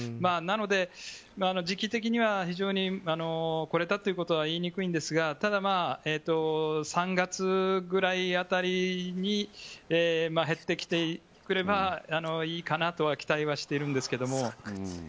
なので、時期的には非常にこれだということは言いにくいんですが３月ぐらい辺りに減ってきてくればいいかなとは期待はしてるんですけれども。